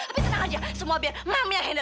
tapi tenang aja semua biar mami yang handle